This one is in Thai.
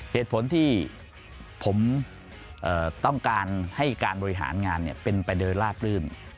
เหตุผลที่ผมต้องการให้การบริหารงานเป็นไปโดยลาบลื่น